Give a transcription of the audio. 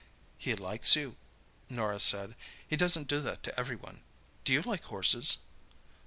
"He likes you," Norah said; "he doesn't do that to everyone. Do you like horses?"